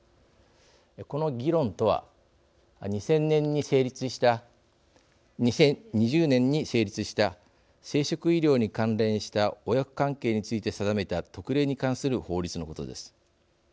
この議論とは２０２０年に成立した生殖医療に関連した親子関係について定めた特例に関する法律のことです。